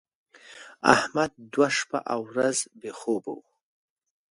احمد دوه شپه او ورځ بې خوبه و.